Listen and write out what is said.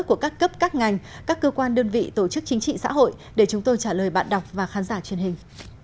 của các cấp các ngành các cơ quan đơn vị tổ chức chính trị xã hội để chúng tôi trả lời bạn đọc và khán giả truyền hình